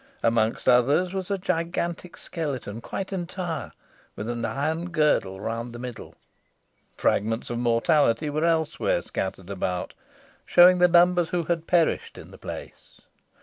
Amongst others was a gigantic skeleton, quite entire, with an iron girdle round the middle. Fragments of mortality were elsewhere scattered about, showing the numbers who had perished in the place.